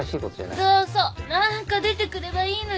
そうそう何か出てくればいいのよ。